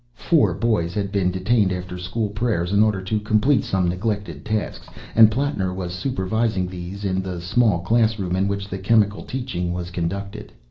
Four boys had been detained after school prayers in order to complete some neglected tasks, and Plattner was supervising these in the small class room in which the chemical teaching was conducted.